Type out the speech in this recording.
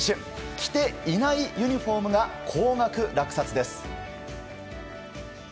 着ていないユニホームが高額落札です。